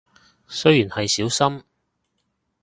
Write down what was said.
雖然係少深